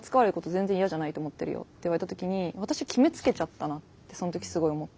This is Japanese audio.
全然嫌じゃないと思ってるよ」って言われた時に私決めつけちゃったなってその時すごい思ったり。